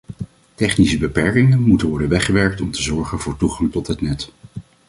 Technische beperkingen moeten worden weggewerkt om te zorgen voor toegang tot het net.